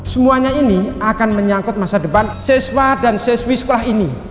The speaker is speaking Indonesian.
semuanya ini akan menyangkut masa depan siswa dan siswi sekolah ini